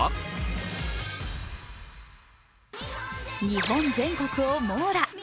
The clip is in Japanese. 日本全国を網羅。